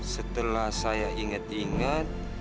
setelah saya ingat ingat